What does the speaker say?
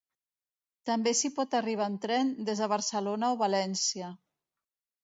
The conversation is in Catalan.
També s'hi pot arribar en tren des de Barcelona o València.